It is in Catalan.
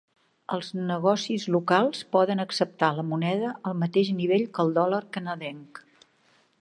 Els negocis locals poden acceptar la moneda al mateix nivell que el dòlar canadenc.